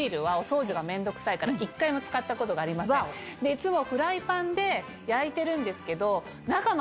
いつも。